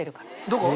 どこ？